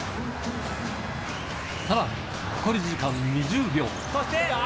さらに残り時間２０秒。